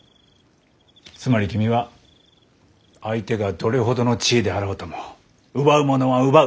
つまり君は相手がどれほどの地位であろうとも奪うものは奪う。